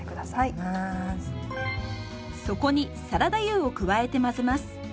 そこにサラダ油を加えて混ぜます。